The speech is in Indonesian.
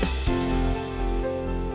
jangan lupa pakai masker di indonesia aja